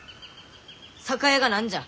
酒屋が何じゃ？